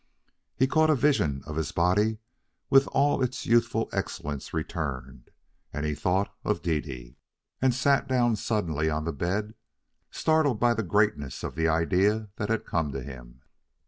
He caught a vision of his body with all its youthful excellence returned, and thought of Dede, and sat down suddenly on the bed, startled by the greatness of the idea that had come to him.